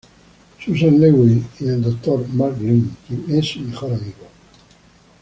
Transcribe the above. Susan Lewis y del Dr. Mark Greene, quien es su mejor amigo.